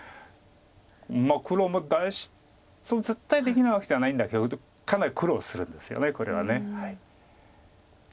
まあ黒も脱出絶対できないわけじゃないんだけどかなり苦労するんですよねこれは。